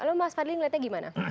lalu mas fadli melihatnya gimana